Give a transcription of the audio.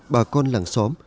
bà con làng xóm